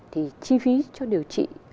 thì chi phí cho điều trị